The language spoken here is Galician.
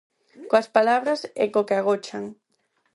Coas palabras e co que agochan.